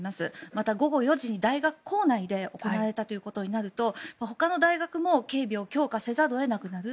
また、午後４時に大学構内で行われたということになるとほかの大学も警備を強化せざるを得なくなる。